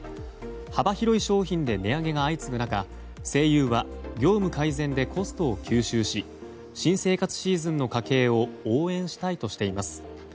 幅広い商品で値上げが相次ぐ中西友は業務改善でコストを吸収し新生活シーズンの家計を応援したいとしています。